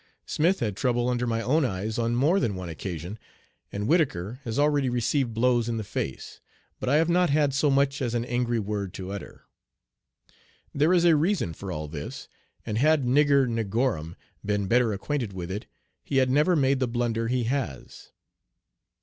Smith had trouble under my own eyes on more than one occasion, and Whittaker* has already received blows in the face, but I have not had so much as an angry word to utter. There is a reason for all this, and had "Niger Nigrorum" been better acquainted with it he had never made the blunder he has.